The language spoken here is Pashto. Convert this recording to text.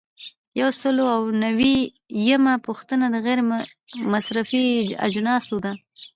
یو سل او نوي یمه پوښتنه د غیر مصرفي اجناسو ده.